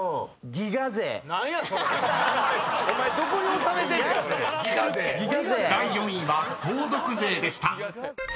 「ギガ税」［第４位は「相続税」でした］